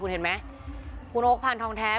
คุณวราวุฒิศิลปะอาชาหัวหน้าภักดิ์ชาติไทยพัฒนา